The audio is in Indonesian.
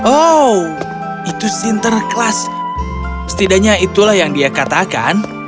oh itu sinterklas setidaknya itulah yang dia katakan